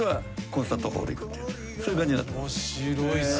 そういう感じになってます。